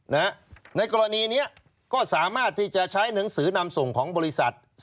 ในกรณีนี้ก็สามารถที่จะใช้หนังสือนำส่งของบริษัท